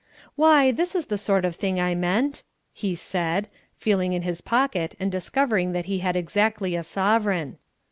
"Why, this is the sort of thing I meant," he said, feeling in his pocket and discovering that he had exactly a sovereign.